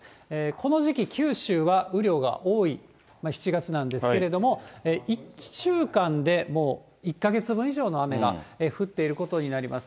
この時期、九州は雨量が多い７月なんですけれども、１週間でもう１か月分以上の雨が降っていることになります。